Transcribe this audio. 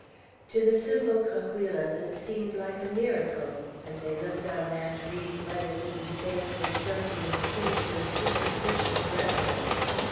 To the simple Cahuillas it seemed like a miracle; and they looked on Aunt Ri's weather beaten face with something akin to a superstitious reverence.